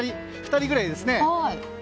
２人ぐらいですね。